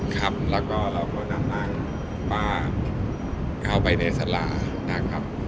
ครับแล้วก็เราก็จะอ้างว่าเข้าไปในสลานะครับ